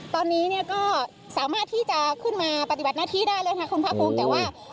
ตอนนี้ก็สามารถที่จะขึ้นมาปฏิบัติหน้าที่ได้เลยค่ะคุณพระภูมิ